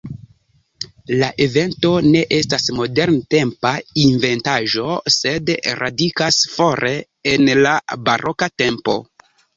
La evento ne estas moderntempa inventaĵo, sed radikas fore en la baroka tempo.